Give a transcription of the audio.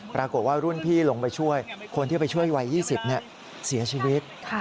ปรากฏว่ารุ่นพี่ลงไปช่วยคนที่ไปช่วยวัย๒๐เสียชีวิต